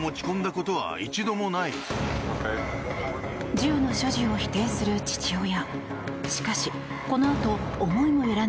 銃の所持を否定する父親。